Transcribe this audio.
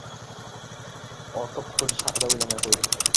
Ortiq qutulish haqida o‘ylamay qo‘ydi.